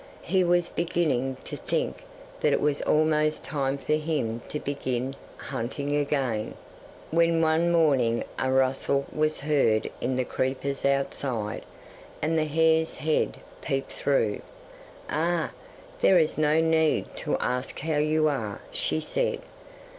He was beginning to think that it was almost time for him to begin hunting again, when one morning a rustle was heard in the creepers outside, and the hare's head peeped through. '"Ah! there is no need to ask how you are," she said.